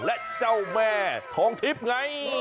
และเจ้าแม่ทองทิพย์ไง